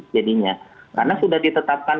jadinya karena sudah ditetapkan